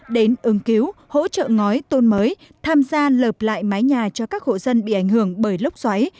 đến ứng cứu hỗ trợ ngói tôn mới tham gia lợp lại mái nhà cho các hộ dân bị ảnh hưởng bởi lốc xoáy